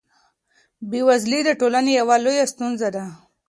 بېوزلي د ټولنې یوه لویه ستونزه ده.